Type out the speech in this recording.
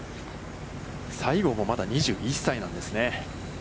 西郷もまだ２１歳なんですね。